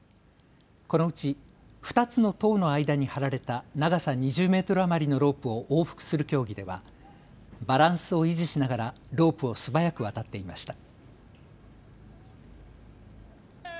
このうち２つの塔の間に張られた長さ２０メートル余りのロープを往復する競技ではバランスを維持しながらロープを素早く渡っていました。